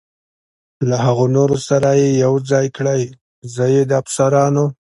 له هغه نورو سره یې یو ځای کړئ، زه یې د افسرانو.